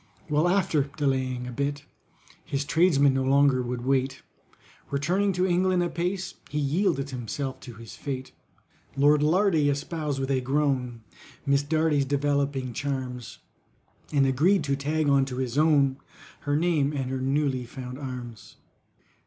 Well, after delaying a space, His tradesmen no longer would wait: Returning to England apace, He yielded himself to his fate. LORD LARDY espoused, with a groan, MISS DARDY'S developing charms, And agreed to tag on to his own, Her name and her newly found arms.